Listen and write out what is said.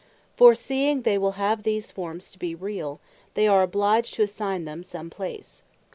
For seeing they will have these Forms to be reall, they are obliged to assign them some place.